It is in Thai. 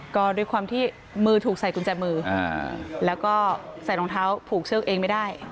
ก็ด้วยความที่มือถูกใส่กุญแจมือแล้วก็ใส่รองเท้าผูกเชือกเองไม่ได้